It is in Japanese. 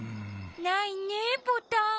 ないねボタン。